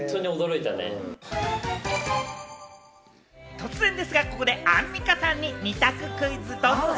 突然ですがここでアンミカさんに二択クイズ、ドッチ？